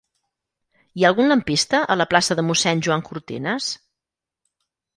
Hi ha algun lampista a la plaça de Mossèn Joan Cortinas?